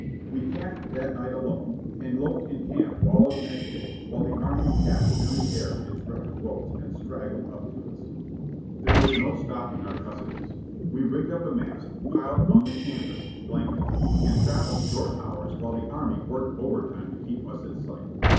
We camped that night alone, and loafed in camp all of next day while the Army patched and repaired its wrecked boats and straggled up to us. There was no stopping our cussedness. We rigged up a mast, piled on the canvas (blankets), and travelled short hours while the Army worked over time to keep us in sight.